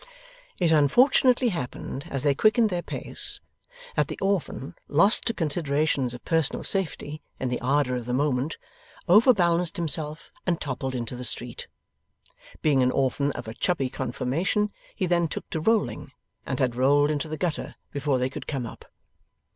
It unfortunately happened as they quickened their pace, that the orphan, lost to considerations of personal safety in the ardour of the moment, overbalanced himself and toppled into the street. Being an orphan of a chubby conformation, he then took to rolling, and had rolled into the gutter before they could come up.